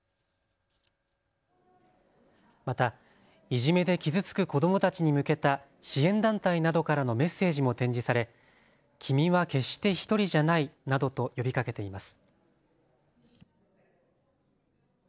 また、いじめで傷つく子どもたちに向けた支援団体などからのメッセージも展示され君は決してひとりじゃないなどと呼びかけています。